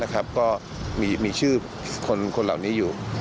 ก็มีชื่อคนเหล่านี้อยู่